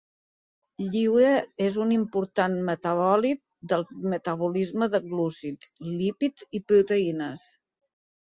Lliure és un important metabòlit del metabolisme de glúcids, lípids i proteïnes.